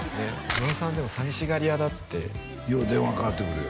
ムロさんでも寂しがり屋だってよう電話かかってくるよ